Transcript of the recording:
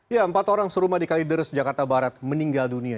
ya empat orang serumah di kaliders jakarta barat meninggal dunia